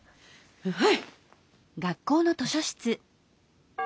はい！